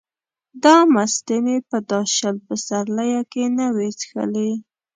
دا مستې مې په دا شل پسرلیه کې نه وې څښلې.